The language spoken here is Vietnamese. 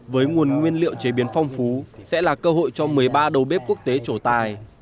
với nguồn nguyên liệu chế biến phong phú sẽ là cơ hội cho một mươi ba đầu bếp quốc tế trổ tài